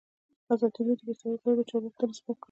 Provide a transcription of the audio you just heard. ازادي راډیو د بیکاري لپاره د چارواکو دریځ خپور کړی.